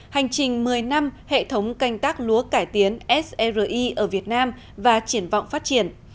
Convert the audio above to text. hành trình một mươi năm hệ thống canh tác lúa cải tiến sri ở việt nam và triển vọng phát triển